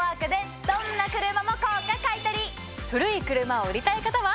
古い車を売りたい方は。